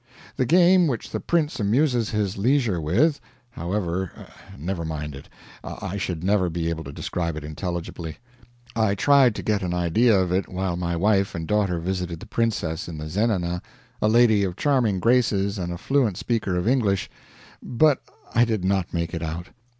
The game which the prince amuses his leisure with however, never mind it, I should never be able to describe it intelligibly. I tried to get an idea of it while my wife and daughter visited the princess in the zenana, a lady of charming graces and a fluent speaker of English, but I did not make it out.